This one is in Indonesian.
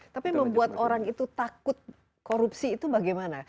tapi membuat orang itu takut korupsi itu bagaimana